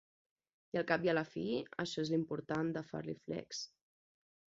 I al cap i a la fi, això és l'important, de Farley Flex.